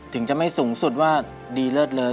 ถึงจะไม่สูงสุดว่าดีเลิศเลย